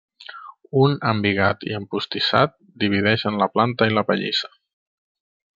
Un embigat i empostissat divideixen la planta i la pallissa.